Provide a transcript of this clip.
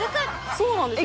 そうなんですよ。